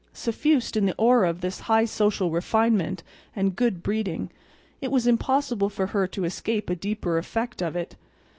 Suffused in the aura of this high social refinement and good breeding, it was impossible for her to escape a deeper effect of it.